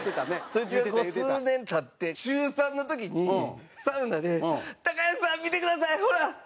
そいつが数年経って中３の時にサウナで「高橋さん見てください！ほら！」